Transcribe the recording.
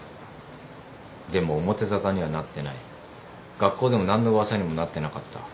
学校でも何の噂にもなってなかった。